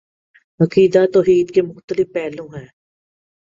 عقیدہ توحید کے مختلف پہلو ہیں